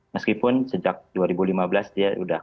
meskipun sejak dua ribu lima belas dia sudah